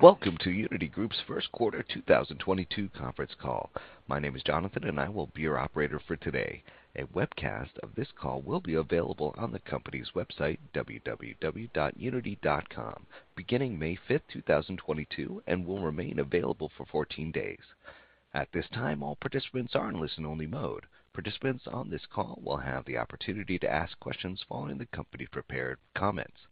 Welcome to Uniti Group's first quarter 2022 conference call. My name is Jonathan, and I will be your operator for today. A webcast of this call will be available on the company's website, www.uniti.com, beginning May 5th, 2022, and will remain available for 14 days. At this time, all participants are in listen-only mode. Participants on this call will have the opportunity to ask questions following the company prepared comments.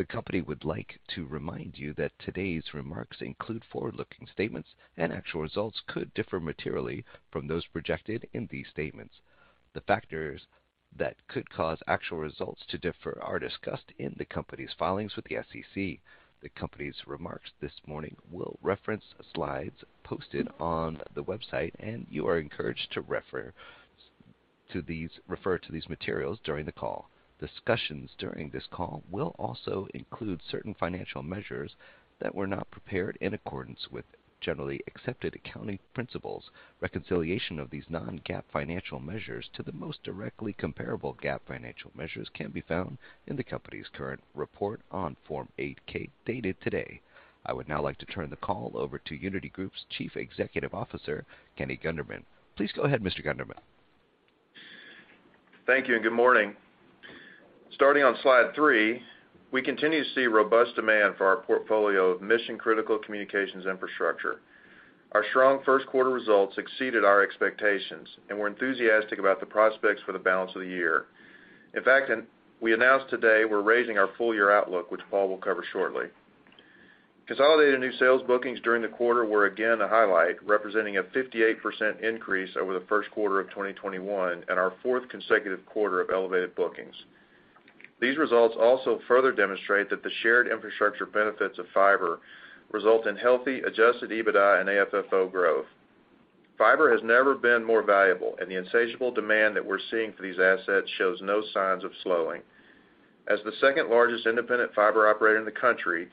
The company would like to remind you that today's remarks include forward-looking statements, and actual results could differ materially from those projected in these statements. The factors that could cause actual results to differ are discussed in the company's filings with the SEC. The company's remarks this morning will reference slides posted on the website, and you are encouraged to refer to these materials during the call. Discussions during this call will also include certain financial measures that were not prepared in accordance with generally accepted accounting principles. Reconciliation of these non-GAAP financial measures to the most directly comparable GAAP financial measures can be found in the company's current report on Form 8-K, dated today. I would now like to turn the call over to Uniti Group's Chief Executive Officer, Kenny Gunderman. Please go ahead, Mr. Gunderman. Thank you and good morning. Starting on slide three, we continue to see robust demand for our portfolio of mission-critical communications infrastructure. Our strong first quarter results exceeded our expectations, and we're enthusiastic about the prospects for the balance of the year. In fact, we announced today we're raising our full-year outlook, which Paul will cover shortly. Consolidated new sales bookings during the quarter were again a highlight, representing a 58% increase over the first quarter of 2021, and our fourth consecutive quarter of elevated bookings. These results also further demonstrate that the shared infrastructure benefits of fiber result in healthy adjusted EBITDA and AFFO growth. Fiber has never been more valuable, and the insatiable demand that we're seeing for these assets shows no signs of slowing. As the second-largest independent fiber operator in the country,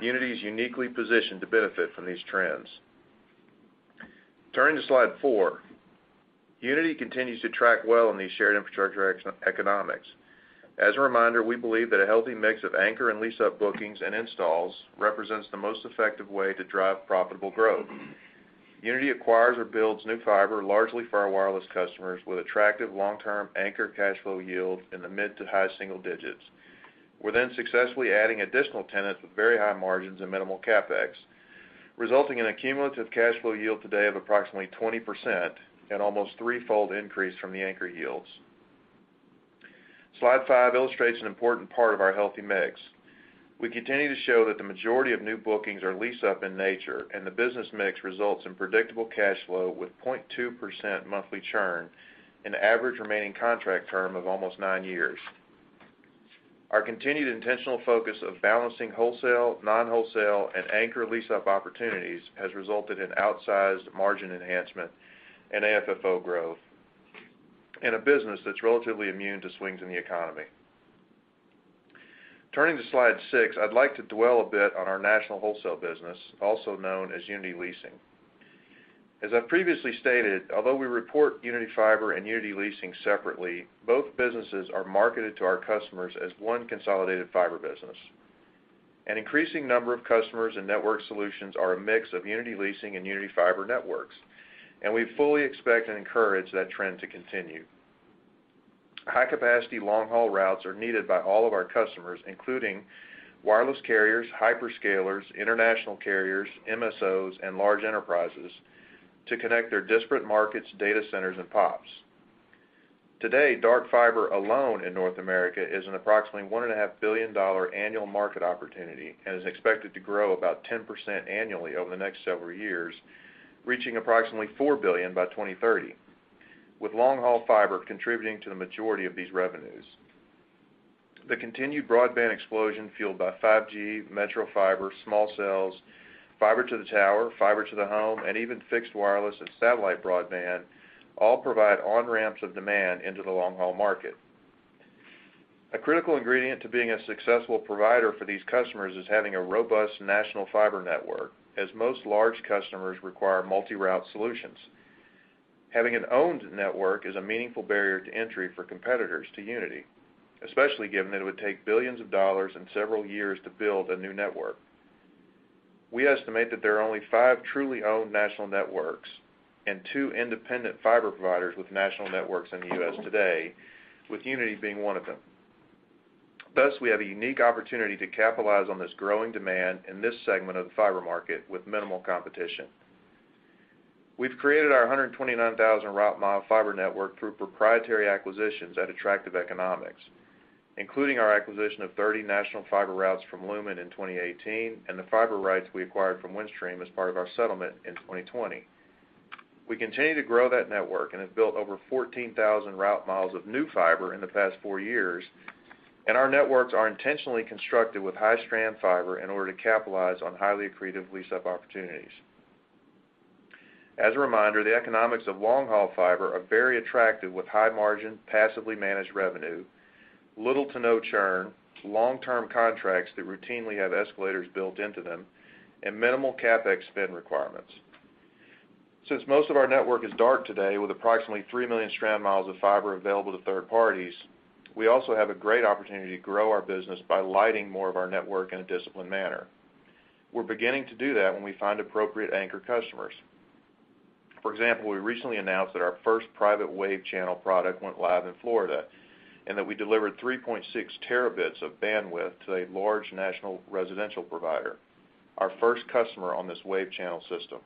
Uniti is uniquely positioned to benefit from these trends. Turning to slide four. Uniti continues to track well on these shared infrastructure economics. As a reminder, we believe that a healthy mix of anchor and lease-up bookings and installs represents the most effective way to drive profitable growth. Uniti acquires or builds new fiber largely for our wireless customers with attractive long-term anchor cash flow yield in the mid to high single digits. We're then successfully adding additional tenants with very high margins and minimal CapEx, resulting in a cumulative cash flow yield today of approximately 20% and almost threefold increase from the anchor yields. Slide five illustrates an important part of our healthy mix. We continue to show that the majority of new bookings are lease-up in nature, and the business mix results in predictable cash flow with 0.2% monthly churn and an average remaining contract term of almost nine years. Our continued intentional focus of balancing wholesale, non-wholesale, and anchor lease-up opportunities has resulted in outsized margin enhancement and AFFO growth in a business that's relatively immune to swings in the economy. Turning to slide six, I'd like to dwell a bit on our national wholesale business, also known as Uniti Leasing. As I've previously stated, although we report Uniti Fiber and Uniti Leasing separately, both businesses are marketed to our customers as one consolidated fiber business. An increasing number of customers and network solutions are a mix of Uniti Leasing and Uniti Fiber networks, and we fully expect and encourage that trend to continue. High-capacity long-haul routes are needed by all of our customers, including wireless carriers, hyperscalers, international carriers, MSOs, and large enterprises to connect their disparate markets, data centers, and POPs. Today, dark fiber alone in North America is an approximately $1.5 billion annual market opportunity and is expected to grow about 10% annually over the next several years, reaching approximately $4 billion by 2030, with long-haul fiber contributing to the majority of these revenues. The continued broadband explosion fueled by 5G, metro fiber, small cells, fiber to the tower, fiber to the home, and even fixed wireless and satellite broadband all provide on-ramps of demand into the long-haul market. A critical ingredient to being a successful provider for these customers is having a robust national fiber network, as most large customers require multi-route solutions. Having an owned network is a meaningful barrier to entry for competitors to Uniti, especially given that it would take billions of dollars and several years to build a new network. We estimate that there are only five truly owned national networks and two independent fiber providers with national networks in the U.S. today, with Uniti being one of them. Thus, we have a unique opportunity to capitalize on this growing demand in this segment of the fiber market with minimal competition. We've created our 129,000 route mile fiber network through proprietary acquisitions at attractive economics, including our acquisition of 30 national fiber routes from Lumen in 2018 and the fiber routes we acquired from Windstream as part of our settlement in 2020. We continue to grow that network and have built over 14,000 route miles of new fiber in the past four years, and our networks are intentionally constructed with high-strand fiber in order to capitalize on highly accretive lease-up opportunities. As a reminder, the economics of long-haul fiber are very attractive with high margin, passively managed revenue, little to no churn, long-term contracts that routinely have escalators built into them, and minimal CapEx spend requirements. Since most of our network is dark today with approximately 3 million strand miles of fiber available to third parties, we also have a great opportunity to grow our business by lighting more of our network in a disciplined manner. We're beginning to do that when we find appropriate anchor customers. For example, we recently announced that our first private WAVE channel product went live in Florida, and that we delivered 3.6 terabits of bandwidth to a large national residential provider, our first customer on this WAVE channel system.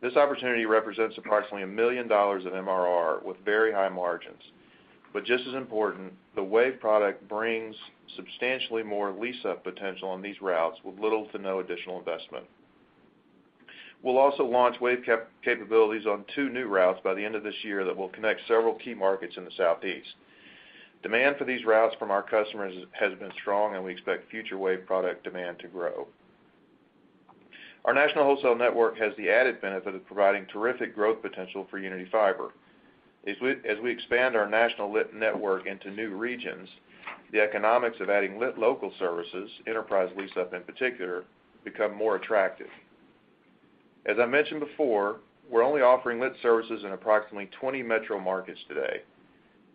This opportunity represents approximately $1 million of MRR with very high margins. Just as important, the WAVE product brings substantially more lease-up potential on these routes with little to no additional investment. We'll also launch WAVE capabilities on two new routes by the end of this year that will connect several key markets in the Southeast. Demand for these routes from our customers has been strong, and we expect future WAVE product demand to grow. Our national wholesale network has the added benefit of providing terrific growth potential for Uniti Fiber. As we expand our national lit network into new regions, the economics of adding lit local services, enterprise lease-up in particular, become more attractive. As I mentioned before, we're only offering lit services in approximately 20 metro markets today.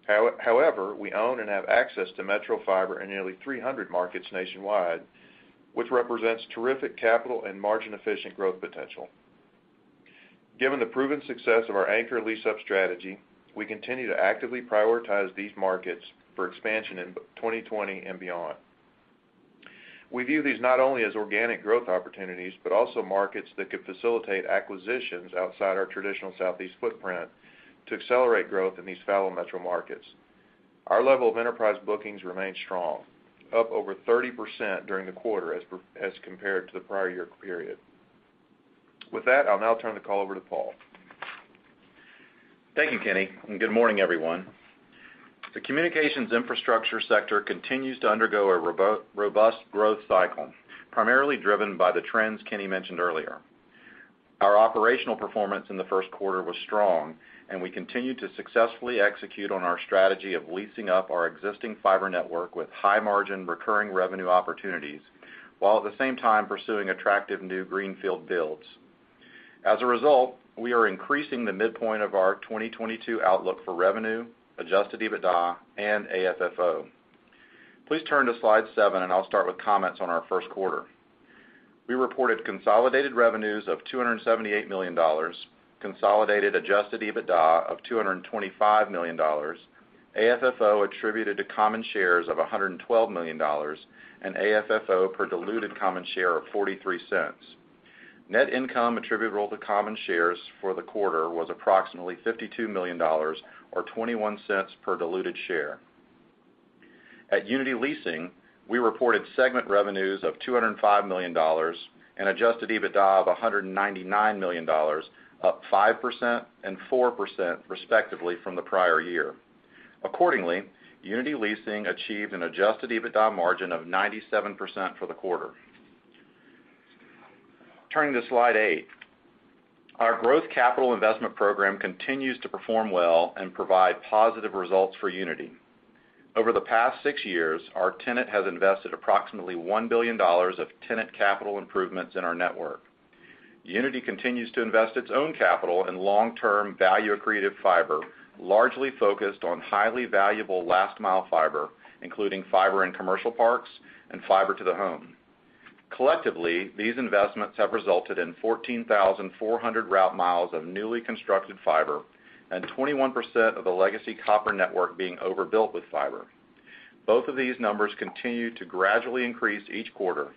However, we own and have access to metro fiber in nearly 300 markets nationwide, which represents terrific capital and margin-efficient growth potential. Given the proven success of our anchor lease-up strategy, we continue to actively prioritize these markets for expansion in 2020 and beyond. We view these not only as organic growth opportunities, but also markets that could facilitate acquisitions outside our traditional Southeast footprint to accelerate growth in these fallow metro markets. Our level of enterprise bookings remains strong, up over 30% during the quarter as compared to the prior year period. With that, I'll now turn the call over to Paul. Thank you, Kenny, and good morning, everyone. The communications infrastructure sector continues to undergo a robust growth cycle, primarily driven by the trends Kenny mentioned earlier. Our operational performance in the first quarter was strong, and we continue to successfully execute on our strategy of leasing up our existing fiber network with high-margin recurring revenue opportunities while at the same time pursuing attractive new greenfield builds. As a result, we are increasing the midpoint of our 2022 outlook for revenue, Adjusted EBITDA and AFFO. Please turn to slide seven, and I'll start with comments on our first quarter. We reported consolidated revenues of $278 million, consolidated Adjusted EBITDA of $225 million, AFFO attributed to common shares of $112 million, and AFFO per diluted common share of $0.43. Net income attributable to common shares for the quarter was approximately $52 million or $0.21 per diluted share. At Uniti Leasing, we reported segment revenues of $205 million and adjusted EBITDA of $199 million, up 5% and 4% respectively from the prior year. Accordingly, Uniti Leasing achieved an adjusted EBITDA margin of 97% for the quarter. Turning to slide eight. Our growth capital investment program continues to perform well and provide positive results for Uniti. Over the past six years, our tenant has invested approximately $1 billion of tenant capital improvements in our network. Uniti continues to invest its own capital in long-term value-accretive fiber, largely focused on highly valuable last-mile fiber, including fiber in commercial parks and fiber to the home. Collectively, these investments have resulted in 14,400 route miles of newly constructed fiber and 21% of the legacy copper network being overbuilt with fiber. Both of these numbers continue to gradually increase each quarter,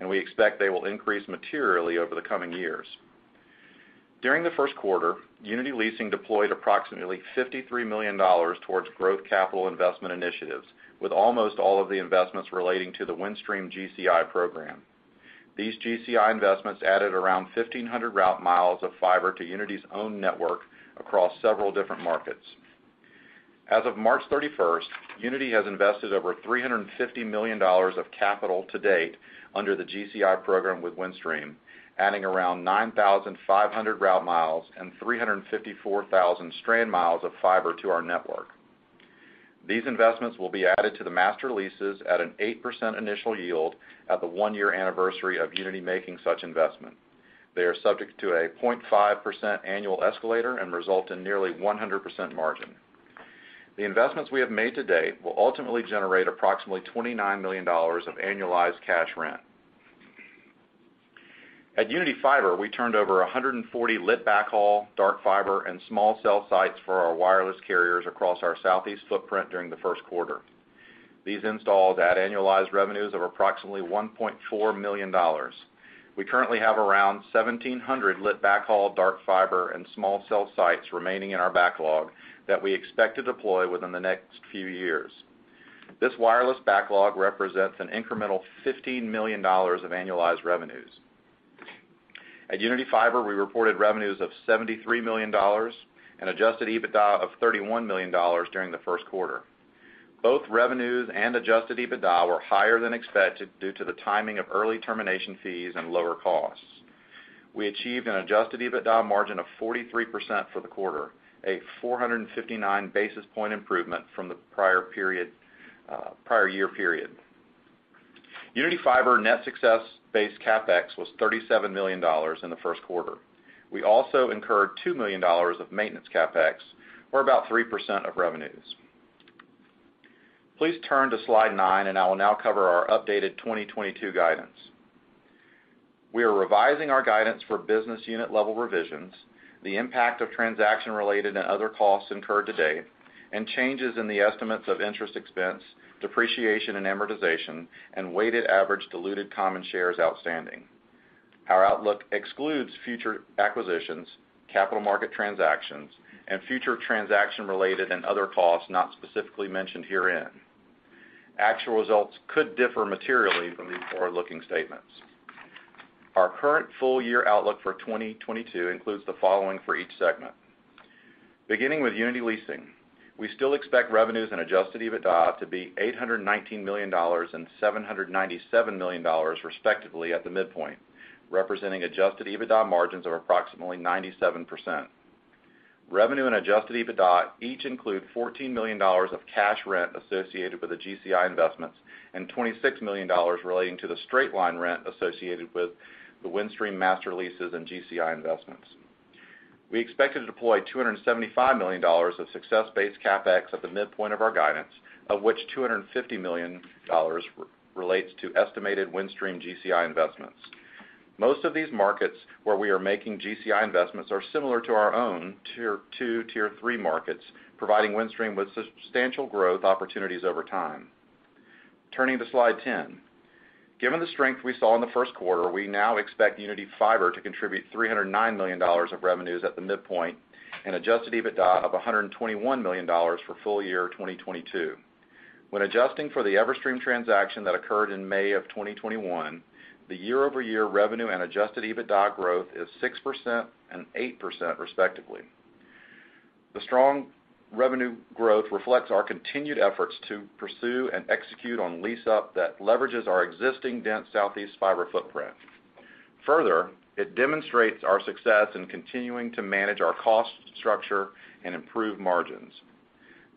and we expect they will increase materially over the coming years. During the first quarter, Uniti Leasing deployed approximately $53 million towards growth capital investment initiatives, with almost all of the investments relating to the Windstream GCI program. These GCI investments added around 1,500 route miles of fiber to Uniti's own network across several different markets. As of March 31st, Uniti has invested over $350 million of capital to date under the GCI program with Windstream, adding around 9,500 route miles and 354,000 strand miles of fiber to our network. These investments will be added to the master leases at an 8% initial yield at the one-year anniversary of Uniti making such investment. They are subject to a 0.5% annual escalator and result in nearly 100% margin. The investments we have made to date will ultimately generate approximately $29 million of annualized cash rent. At Uniti Fiber, we turned over 140 lit backhaul, dark fiber and small cell sites for our wireless carriers across our Southeast footprint during the first quarter. These installs add annualized revenues of approximately $1.4 million. We currently have around 1,700 lit backhaul, dark fiber and small cell sites remaining in our backlog that we expect to deploy within the next few years. This wireless backlog represents an incremental $15 million of annualized revenues. At Uniti Fiber, we reported revenues of $73 million and adjusted EBITDA of $31 million during the first quarter. Both revenues and adjusted EBITDA were higher than expected due to the timing of early termination fees and lower costs. We achieved an adjusted EBITDA margin of 43% for the quarter, a 459 basis point improvement from the prior period, prior year period. Uniti Fiber net success-based CapEx was $37 million in the first quarter. We also incurred $2 million of maintenance CapEx, or about 3% of revenues. Please turn to slide nine, and I will now cover our updated 2022 guidance. We are revising our guidance for business unit level revisions, the impact of transaction related and other costs incurred to date, and changes in the estimates of interest expense, depreciation and amortization, and weighted average diluted common shares outstanding. Our outlook excludes future acquisitions, capital market transactions, and future transaction related and other costs not specifically mentioned herein. Actual results could differ materially from these forward-looking statements. Our current full year outlook for 2022 includes the following for each segment. Beginning with Uniti Leasing, we still expect revenues and adjusted EBITDA to be $819 million and $797 million respectively at the midpoint, representing adjusted EBITDA margins of approximately 97%. Revenue and adjusted EBITDA each include $14 million of cash rent associated with the GCI investments and $26 million relating to the straight-line rent associated with the Windstream master leases and GCI investments. We expect to deploy $275 million of success-based CapEx at the midpoint of our guidance, of which $250 million relates to estimated Windstream GCI investments. Most of these markets where we are making GCI investments are similar to our own tier two, tier three markets, providing Windstream with substantial growth opportunities over time. Turning to slide 10. Given the strength we saw in the first quarter, we now expect Uniti Fiber to contribute $309 million of revenues at the midpoint and adjusted EBITDA of $121 million for full year 2022. When adjusting for the Everstream transaction that occurred in May 2021, the year-over-year revenue and adjusted EBITDA growth is 6% and 8% respectively. The strong revenue growth reflects our continued efforts to pursue and execute on lease-up that leverages our existing dense Southeast fiber footprint. Further, it demonstrates our success in continuing to manage our cost structure and improve margins.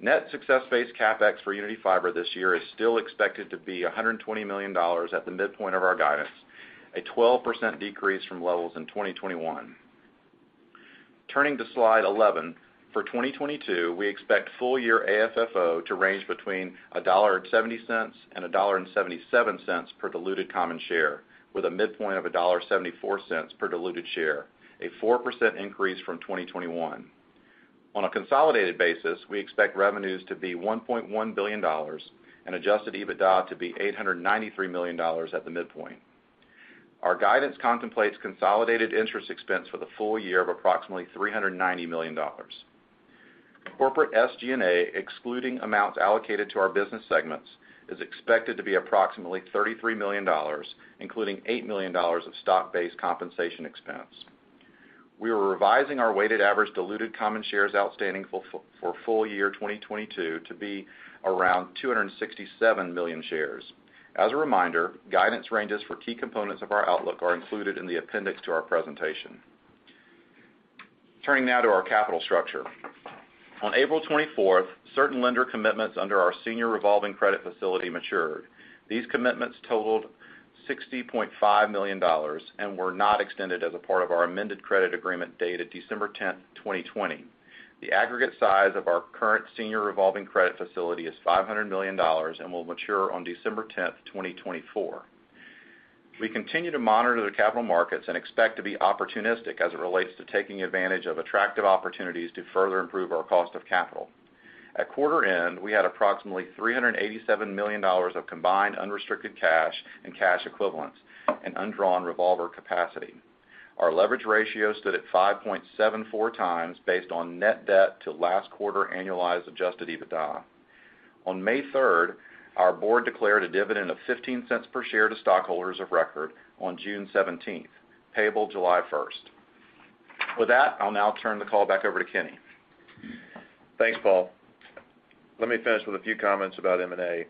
Net success-based CapEx for Uniti Fiber this year is still expected to be $120 million at the midpoint of our guidance, a 12% decrease from levels in 2021. Turning to slide 11. For 2022, we expect full year AFFO to range between $1.70-$1.77 per diluted common share, with a midpoint of $1.74 per diluted share, a 4% increase from 2021. On a consolidated basis, we expect revenues to be $1.1 billion and adjusted EBITDA to be $893 million at the midpoint. Our guidance contemplates consolidated interest expense for the full year of approximately $390 million. Corporate SG&A, excluding amounts allocated to our business segments, is expected to be approximately $33 million, including $8 million of stock-based compensation expense. We are revising our weighted average diluted common shares outstanding for full year 2022 to be around 267 million shares. As a reminder, guidance ranges for key components of our outlook are included in the appendix to our presentation. Turning now to our capital structure. On April 24th, certain lender commitments under our senior revolving credit facility matured. These commitments totaled $60.5 million and were not extended as a part of our amended credit agreement dated December 10th, 2020. The aggregate size of our current senior revolving credit facility is $500 million and will mature on December 10th, 2024. We continue to monitor the capital markets and expect to be opportunistic as it relates to taking advantage of attractive opportunities to further improve our cost of capital. At quarter end, we had approximately $387 million of combined unrestricted cash and cash equivalents and undrawn revolver capacity. Our leverage ratio stood at 5.74x based on net debt to last quarter annualized adjusted EBITDA. On May 3rd, our board declared a dividend of $0.15 per share to stockholders of record on June 17th, payable July 1st. With that, I'll now turn the call back over to Kenny. Thanks, Paul. Let me finish with a few comments about M&A.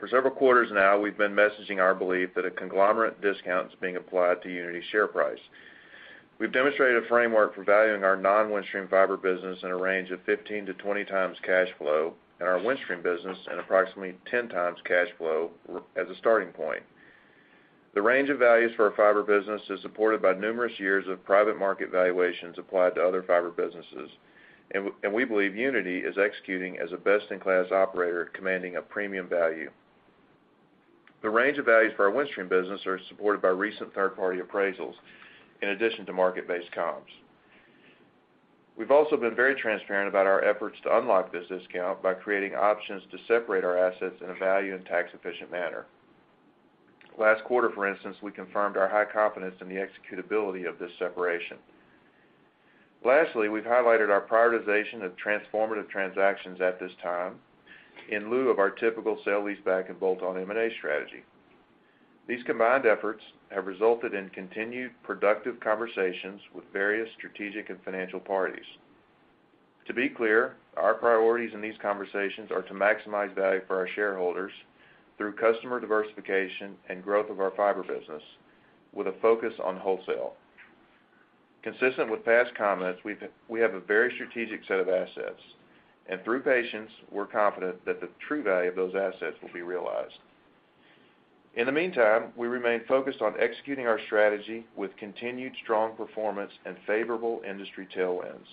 For several quarters now, we've been messaging our belief that a conglomerate discount is being applied to Uniti's share price. We've demonstrated a framework for valuing our non-Windstream fiber business in a range of 15-20x cash flow, and our Windstream business at approximately 10x cash flow as a starting point. The range of values for our fiber business is supported by numerous years of private market valuations applied to other fiber businesses, and we believe Uniti is executing as a best-in-class operator commanding a premium value. The range of values for our Windstream business are supported by recent third-party appraisals, in addition to market-based comps. We've also been very transparent about our efforts to unlock this discount by creating options to separate our assets in a value and tax-efficient manner. Last quarter, for instance, we confirmed our high confidence in the executability of this separation. Lastly, we've highlighted our prioritization of transformative transactions at this time in lieu of our typical sale, lease back, and bolt-on M&A strategy. These combined efforts have resulted in continued productive conversations with various strategic and financial parties. To be clear, our priorities in these conversations are to maximize value for our shareholders through customer diversification and growth of our fiber business with a focus on wholesale. Consistent with past comments, we have a very strategic set of assets. Through patience, we're confident that the true value of those assets will be realized. In the meantime, we remain focused on executing our strategy with continued strong performance and favorable industry tailwinds,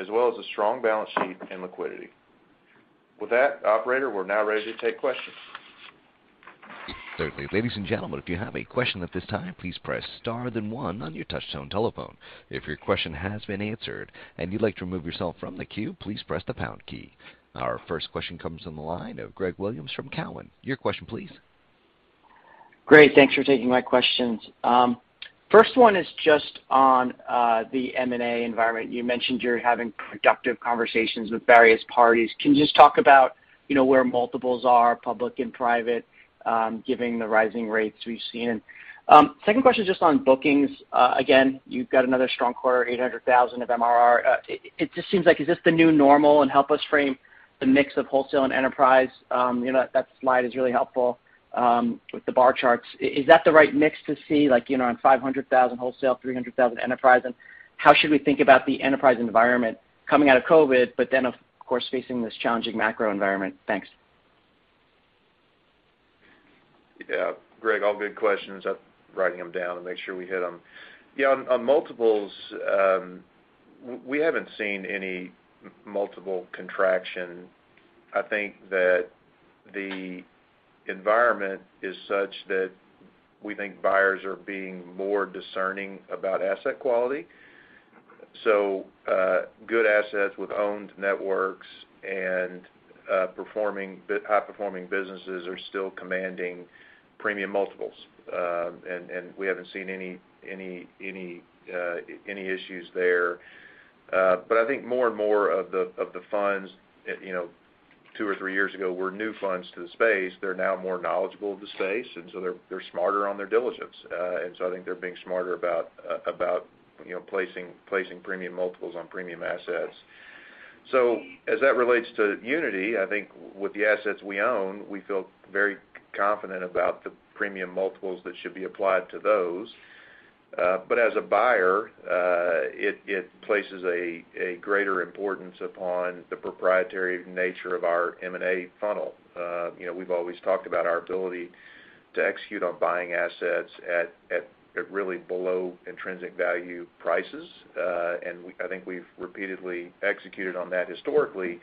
as well as a strong balance sheet and liquidity. With that, operator, we're now ready to take questions. Certainly. Ladies and gentlemen, if you have a question at this time, please press star then one on your touchtone telephone. If your question has been answered and you'd like to remove yourself from the queue, please press the pound key. Our first question comes on the line of Gregory Williams from TD Cowen. Your question, please. Great. Thanks for taking my questions. First one is just on the M&A environment. You mentioned you're having productive conversations with various parties. Can you just talk about, you know, where multiples are, public and private, given the rising rates we've seen? Second question just on bookings. Again, you've got another strong quarter, $800,000 of MRR. It just seems like, is this the new normal? Help us frame the mix of wholesale and enterprise. You know, that slide is really helpful, with the bar charts. Is that the right mix to see, like, you know, on $500,000 wholesale, $300,000 enterprise? How should we think about the enterprise environment coming out of COVID, but then, of course, facing this challenging macro environment? Thanks. Yeah. Greg, all good questions. I'm writing them down to make sure we hit them. Yeah, on multiples, we haven't seen any multiple contraction. I think that the environment is such that we think buyers are being more discerning about asset quality. Good assets with owned networks and high-performing businesses are still commanding premium multiples. And we haven't seen any issues there. I think more and more of the funds, you know, two or three years ago were new funds to the space. They're now more knowledgeable of the space, and they're smarter on their diligence. I think they're being smarter about, you know, placing premium multiples on premium assets. As that relates to Uniti, I think with the assets we own, we feel very confident about the premium multiples that should be applied to those. As a buyer, it places a greater importance upon the proprietary nature of our M&A funnel. You know, we've always talked about our ability to execute on buying assets at really below intrinsic value prices. I think we've repeatedly executed on that historically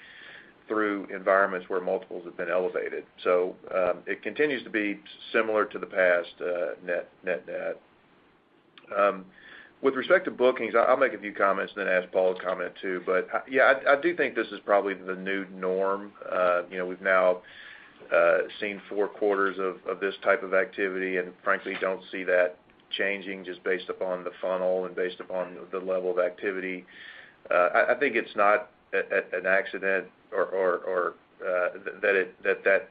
through environments where multiples have been elevated. It continues to be similar to the past, net-net. With respect to bookings, I'll make a few comments, then ask Paul to comment too. Yeah, I do think this is probably the new norm. You know, we've now seen four quarters of this type of activity, and frankly, don't see that changing just based upon the funnel and based upon the level of activity. I think it's not an accident that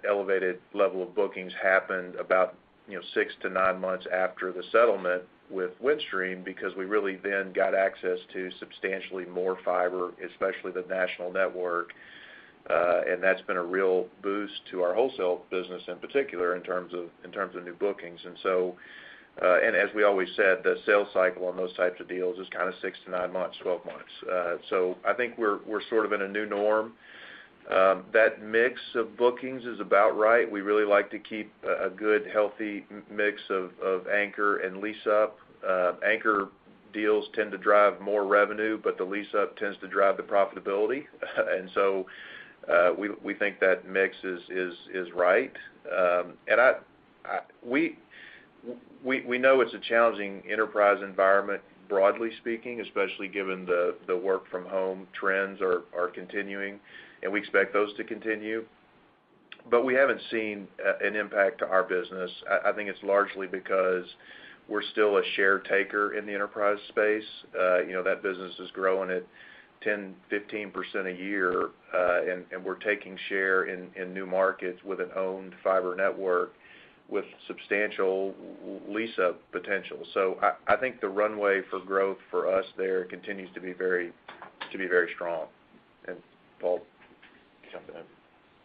elevated level of bookings happened about, you know, six to nine months after the settlement with Windstream because we really then got access to substantially more fiber, especially the national network, and that's been a real boost to our wholesale business in particular in terms of new bookings. As we always said, the sales cycle on those types of deals is kind of six to nine months, 12 months. I think we're sort of in a new norm. That mix of bookings is about right. We really like to keep a good, healthy mix of anchor and lease-up. Anchor deals tend to drive more revenue, but the lease-up tends to drive the profitability. We think that mix is right. We know it's a challenging enterprise environment, broadly speaking, especially given the work from home trends are continuing, and we expect those to continue. We haven't seen an impact to our business. I think it's largely because we're still a share taker in the enterprise space. You know, that business is growing at 10%-15% a year, and we're taking share in new markets with an owned fiber network with substantial lease-up potential. I think the runway for growth for us there continues to be very strong. Paul, jump in.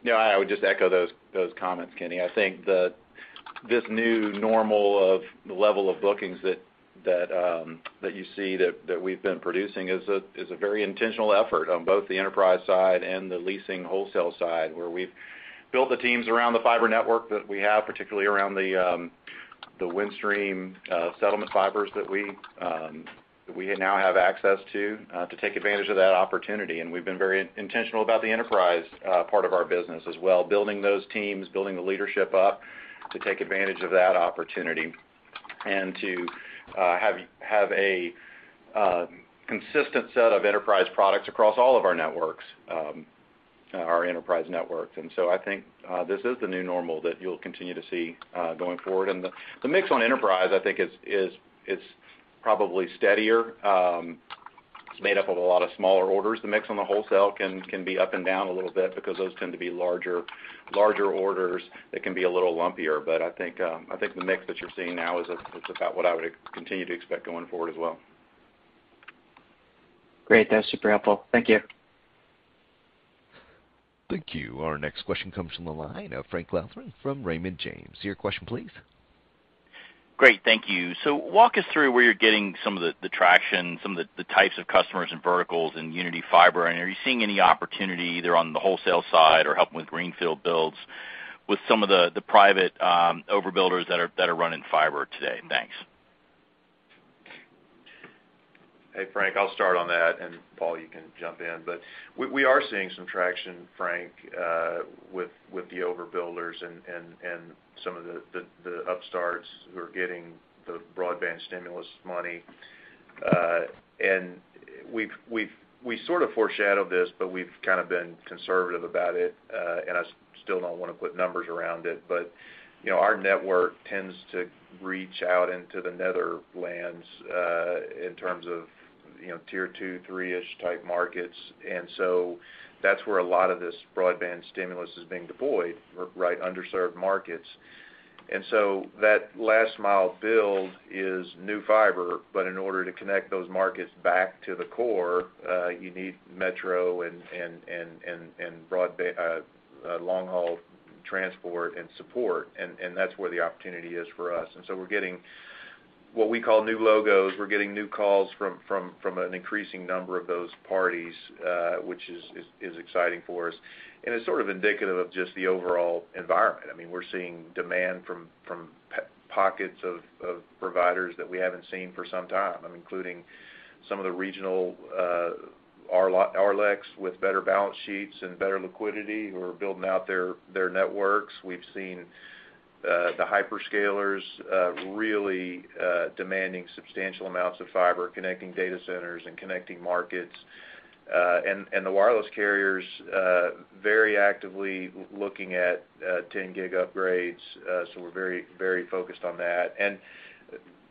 No, I would just echo those comments, Kenny. I think this new normal of the level of bookings that you see that we've been producing is a very intentional effort on both the enterprise side and the leasing wholesale side, where we've built the teams around the fiber network that we have, particularly around the Windstream settlement fibers that we now have access to take advantage of that opportunity. We've been very intentional about the enterprise part of our business as well, building those teams, building the leadership up to take advantage of that opportunity and to have a consistent set of enterprise products across all of our networks, our enterprise networks. I think this is the new normal that you'll continue to see going forward. The mix on enterprise, I think is probably steadier. It's made up of a lot of smaller orders. The mix on the wholesale can be up and down a little bit because those tend to be larger orders that can be a little lumpier. I think the mix that you're seeing now is about what I would continue to expect going forward as well. Great. That's super helpful. Thank you. Thank you. Our next question comes from the line of Frank Louthan from Raymond James. Your question, please. Great. Thank you. Walk us through where you're getting some of the traction, some of the types of customers and verticals in Uniti Fiber. Are you seeing any opportunity either on the wholesale side or helping with greenfield builds with some of the private overbuilders that are running fiber today? Thanks. Hey, Frank, I'll start on that, and Paul, you can jump in. We are seeing some traction, Frank, with the overbuilders and some of the upstarts who are getting the broadband stimulus money. We've sort of foreshadowed this, but we've kind of been conservative about it, and I still don't wanna put numbers around it. You know, our network tends to reach out into the nether regions in terms of, you know, tier two, three-ish type markets. That's where a lot of this broadband stimulus is being deployed, right, underserved markets. That last mile build is new fiber, but in order to connect those markets back to the core, you need metro and long haul transport and support, and that's where the opportunity is for us. We're getting what we call new logos. We're getting new calls from an increasing number of those parties, which is exciting for us. It's sort of indicative of just the overall environment. I mean, we're seeing demand from pockets of providers that we haven't seen for some time, including some of the regional RLECs with better balance sheets and better liquidity who are building out their networks. We've seen the hyperscalers really demanding substantial amounts of fiber, connecting data centers and connecting markets. The wireless carriers very actively looking at 10 Gig upgrades. We're very focused on that.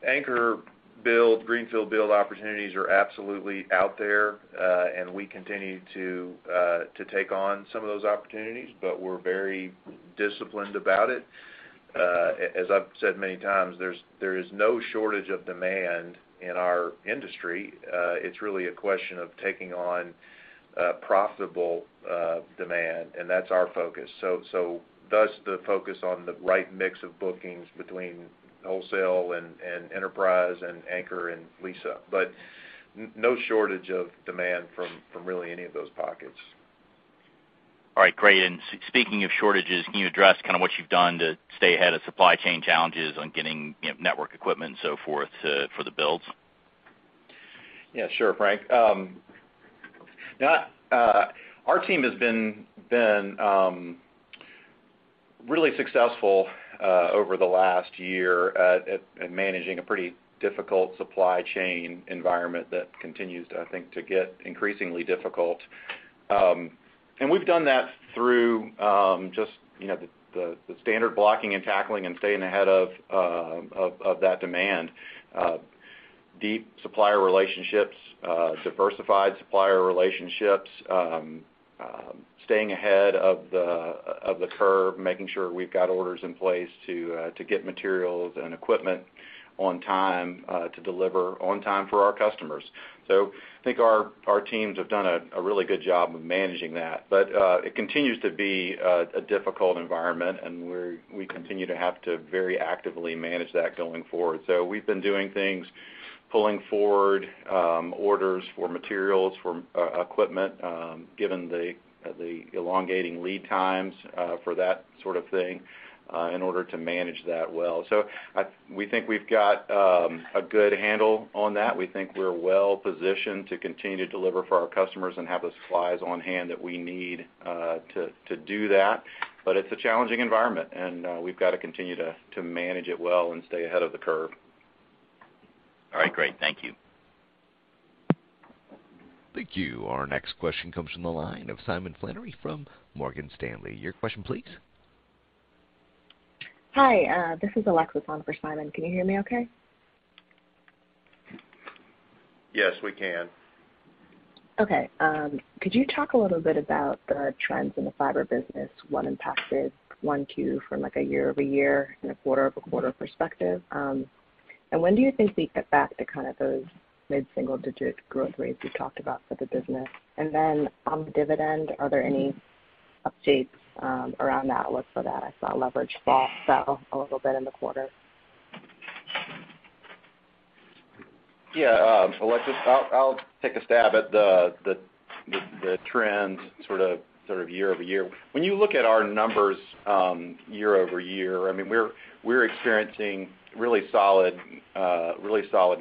Anchor build, greenfield build opportunities are absolutely out there, and we continue to take on some of those opportunities, but we're very disciplined about it. As I've said many times, there is no shortage of demand in our industry. It's really a question of taking on profitable demand, and that's our focus. Thus the focus on the right mix of bookings between wholesale and enterprise and anchor and lease-up. No shortage of demand from really any of those pockets. All right, great. Speaking of shortages, can you address kinda what you've done to stay ahead of supply chain challenges on getting, you know, network equipment and so forth to, for the builds? Yeah, sure, Frank. Our team has been really successful over the last year at managing a pretty difficult supply chain environment that continues, I think, to get increasingly difficult. We've done that through just, you know, the standard blocking and tackling and staying ahead of that demand. Deep supplier relationships, diversified supplier relationships, staying ahead of the curve, making sure we've got orders in place to get materials and equipment on time to deliver on time for our customers. I think our teams have done a really good job of managing that. It continues to be a difficult environment, and we continue to have to very actively manage that going forward. We've been doing things, pulling forward orders for materials for equipment, given the elongating lead times for that sort of thing, in order to manage that well. We think we've got a good handle on that. We think we're well positioned to continue to deliver for our customers and have the supplies on hand that we need to do that. It's a challenging environment, and we've got to continue to manage it well and stay ahead of the curve. All right, great. Thank you. Thank you. Our next question comes from the line of Simon Flannery from Morgan Stanley. Your question, please. Hi, this is Alexa on for Simon. Can you hear me okay? Yes, we can. Okay. Could you talk a little bit about the trends in the fiber business, what impacted it, too, from, like, a year-over-year and a quarter-over-quarter perspective? When do you think we get back to kind of those mid-single digit growth rates you talked about for the business? On the dividend, are there any updates around the outlook for that? I saw leverage fall a little bit in the quarter. Alexa, I'll take a stab at the trends sort of year over year. When you look at our numbers, year over year, I mean, we're experiencing really solid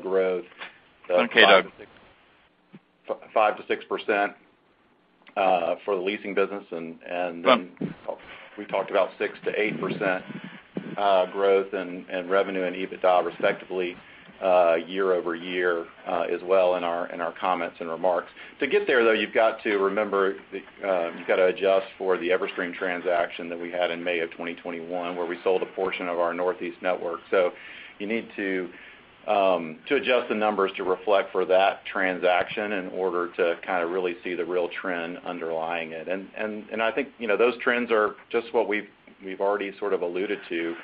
growth. Okay. 5%-6% for the leasing business and then we talked about 6%-8% growth in revenue and EBITDA respectively year-over-year as well in our comments and remarks. To get there, though, you've got to remember you've got to adjust for the Everstream transaction that we had in May 2021, where we sold a portion of our Northeast network. You need to adjust the numbers to reflect for that transaction in order to kind of really see the real trend underlying it. I think, you know, those trends are just what we've already sort of alluded to,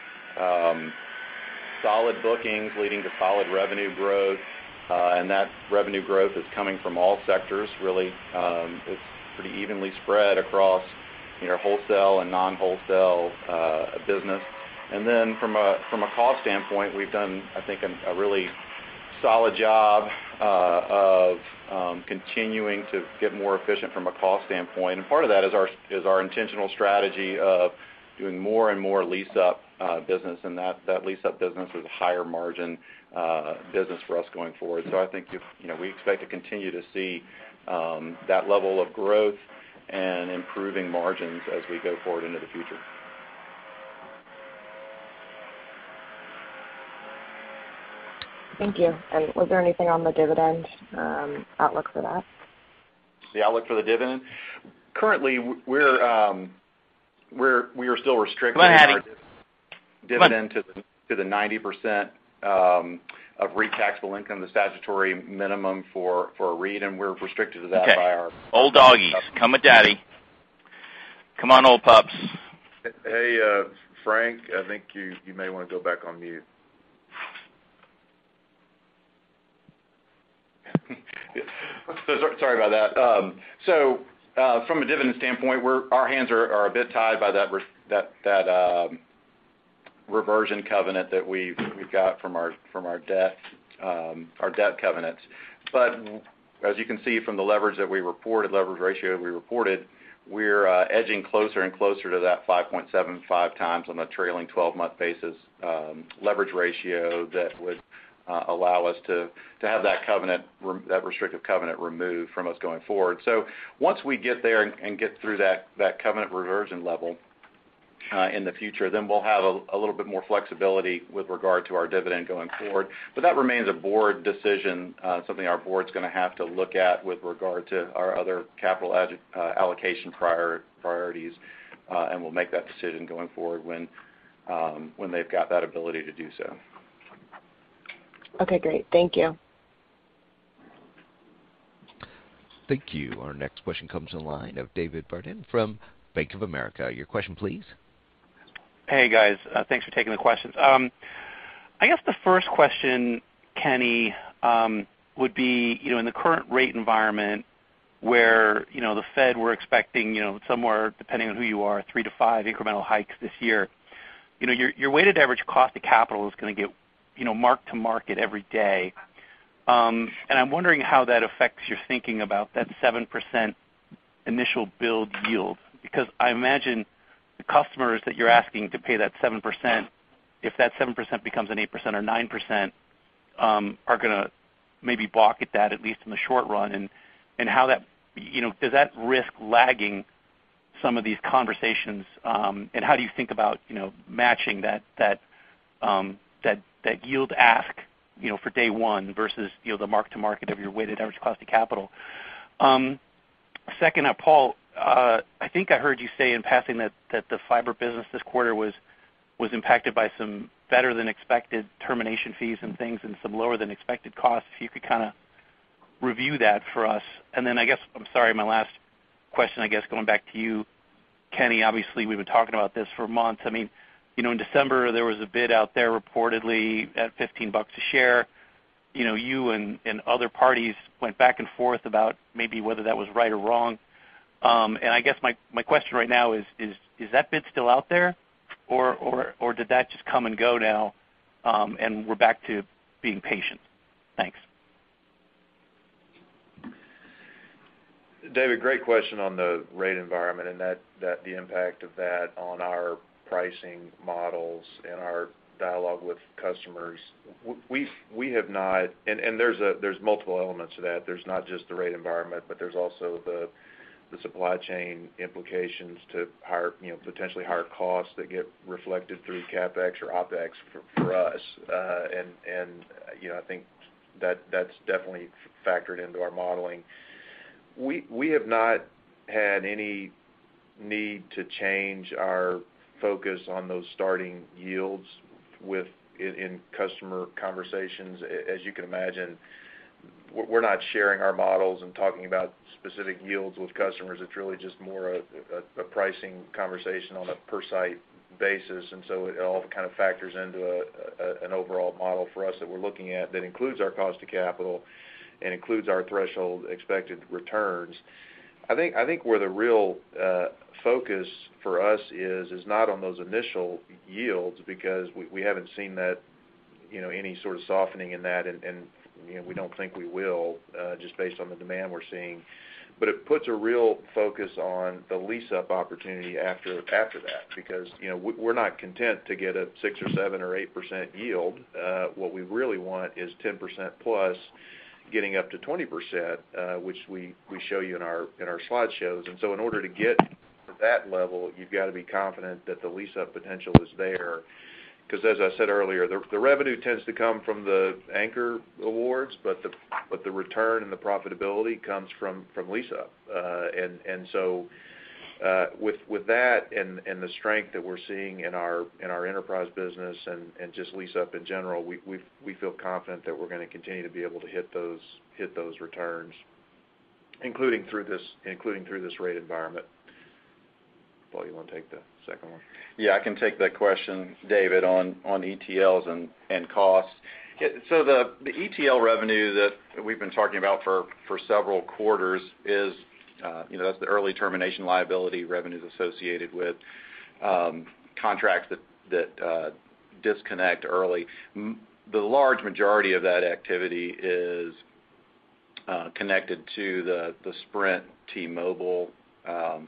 solid bookings leading to solid revenue growth and that revenue growth is coming from all sectors really. It's pretty evenly spread across, you know, wholesale and non-wholesale business. Then from a cost standpoint, we've done, I think, a really solid job of continuing to get more efficient from a cost standpoint. Part of that is our intentional strategy of doing more and more lease-up business, and that lease-up business is a higher margin business for us going forward. I think, you know, we expect to continue to see that level of growth and improving margins as we go forward into the future. Thank you. Was there anything on the dividend outlook for that? The outlook for the dividend? Currently we are still restricted. Go ahead.... in our dividend to the 90% of REIT taxable income, the statutory minimum for a REIT, and we're restricted to that by our- Okay. Old doggies, come with daddy. Come on, old pups. Hey, Frank, I think you may wanna go back on mute. Sorry about that. From a dividend standpoint, we're—our hands are a bit tied by that reversion covenant that we've got from our debt covenants. But as you can see from the leverage ratio we reported, we're edging closer and closer to that 5.75x on a trailing twelve-month basis, leverage ratio that would allow us to have that restrictive covenant removed from us going forward. Once we get there and get through that covenant reversion level in the future, then we'll have a little bit more flexibility with regard to our dividend going forward. That remains a board decision, something our board's gonna have to look at with regard to our other capital allocation priorities, and we'll make that decision going forward when they've got that ability to do so. Okay, great. Thank you. Thank you. Our next question comes to the line of David Barden from Bank of America. Your question, please. Hey, guys. Thanks for taking the questions. I guess the first question, Kenny, would be, you know, in the current rate environment where, you know, the Fed were expecting, you know, somewhere, depending on who you are, three to five incremental hikes this year, you know, your weighted average cost to capital is gonna get, you know, mark to market every day. I'm wondering how that affects your thinking about that 7% initial build yield because I imagine the customers that you're asking to pay that 7%, if that 7% becomes an 8% or 9%, are gonna maybe balk at that, at least in the short run, and how that. You know, does that risk lagging some of these conversations, and how do you think about, you know, matching that yield ask, you know, for day one versus, you know, the mark to market of your weighted average cost of capital? Second up, Paul, I think I heard you say in passing that the fiber business this quarter was impacted by some better than expected termination fees and things and some lower than expected costs, if you could kinda review that for us. Then I guess, I'm sorry, my last question, I guess, going back to you, Kenny, obviously, we've been talking about this for months. I mean, you know, in December, there was a bid out there reportedly at $15 a share. You know, you and other parties went back and forth about maybe whether that was right or wrong. I guess my question right now is that bid still out there, or did that just come and go now, and we're back to being patient? Thanks. David, great question on the rate environment and that the impact of that on our pricing models and our dialogue with customers. We have not. There's multiple elements to that. There's not just the rate environment, but there's also the supply chain implications to higher, you know, potentially higher costs that get reflected through CapEx or OpEx for us. You know, I think that that's definitely factored into our modeling. We have not had any need to change our focus on those starting yields within customer conversations. As you can imagine, we're not sharing our models and talking about specific yields with customers. It's really just more a pricing conversation on a per site basis. It all kind of factors into an overall model for us that we're looking at that includes our cost to capital and includes our threshold expected returns. I think where the real focus for us is not on those initial yields because we haven't seen that, you know, any sort of softening in that. You know, we don't think we will just based on the demand we're seeing. It puts a real focus on the lease-up opportunity after that because, you know, we're not content to get a 6%, 7%, or 8% yield. What we really want is 10% plus getting up to 20%, which we show you in our slideshows. In order to get to that level, you've got to be confident that the lease-up potential is there. 'Cause as I said earlier, the revenue tends to come from the anchor awards, but the return and the profitability comes from lease-up. With that and the strength that we're seeing in our enterprise business and just lease-up in general, we feel confident that we're gonna continue to be able to hit those returns, including through this rate environment. Paul, you wanna take the second one? Yeah, I can take that question, David, on ETLs and costs. The ETL revenue that we've been talking about for several quarters is, you know, that's the early termination liability revenues associated with contracts that disconnect early. The large majority of that activity is connected to the Sprint-T-Mobile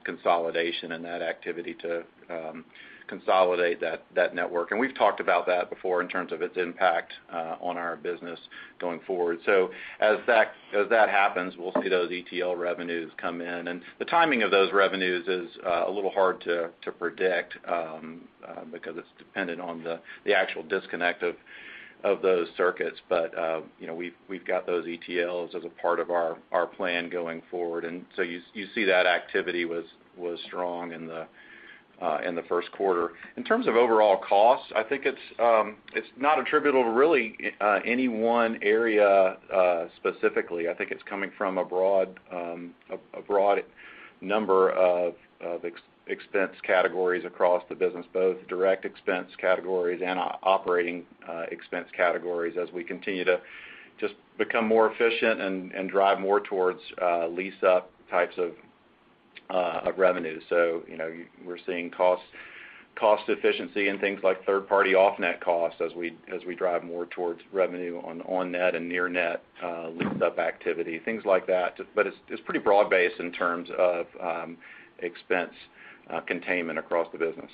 consolidation and that activity to consolidate that network. We've talked about that before in terms of its impact on our business going forward. As that happens, we'll see those ETL revenues come in. The timing of those revenues is a little hard to predict because it's dependent on the actual disconnect of those circuits. You know, we've got those ETLs as a part of our plan going forward. You see that activity was strong in the first quarter. In terms of overall costs, I think it's not attributable to really any one area specifically. I think it's coming from a broad number of expense categories across the business, both direct expense categories and operating expense categories as we continue to just become more efficient and drive more towards lease-up types of revenue. You know, we're seeing cost efficiency and things like third party off-net costs as we drive more towards revenue on-net and near-net lease-up activity, things like that. It's pretty broad-based in terms of expense containment across the business.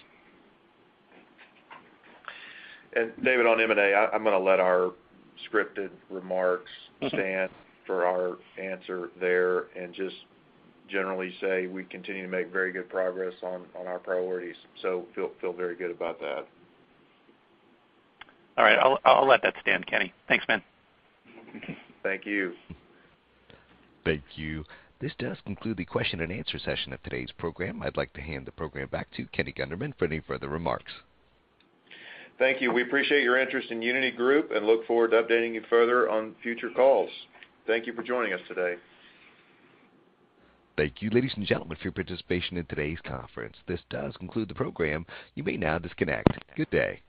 David, on M&A, I'm gonna let our scripted remarks. Mm-hmm. Understand our answer there and just generally say we continue to make very good progress on our priorities, so feel very good about that. All right. I'll let that stand, Kenny. Thanks, man. Thank you. Thank you. This does conclude the question and answer session of today's program. I'd like to hand the program back to Kenny Gunderman for any further remarks. Thank you. We appreciate your interest in Uniti Group and look forward to updating you further on future calls. Thank you for joining us today. Thank you, ladies and gentlemen, for your participation in today's conference. This does conclude the program. You may now disconnect. Good day.